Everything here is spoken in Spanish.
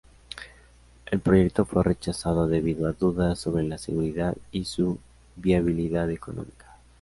El proyecto fue rechazado debido a dudas sobre la seguridad y su viabilidad económica.